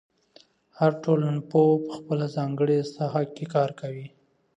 هر ټولنپوه په خپله ځانګړې ساحه کې کار کوي.